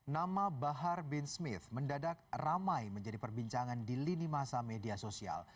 nama bahar bin smith mendadak ramai menjadi perbincangan di lini masa media sosial